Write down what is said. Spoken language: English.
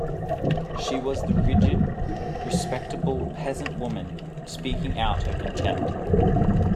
She was the rigid, respectable peasant woman, speaking out her contempt.